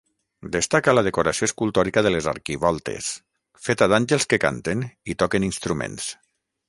Destaca la decoració escultòrica de les arquivoltes, feta d'àngels que canten i toquen instruments.